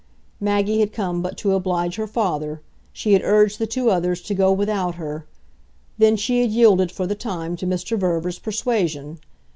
Maggie had come but to oblige her father she had urged the two others to go without her; then she had yielded, for the time, to Mr. Verver's persuasion.